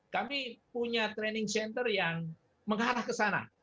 kami punya training center yang mengarah ke sana